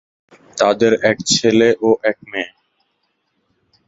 তাদের এক ছেলে ও এক মেয়ে।